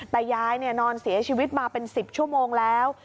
แต่ยายนอนเสียชีวิตมาเป็น๑๐ชั่วโมงแล้ว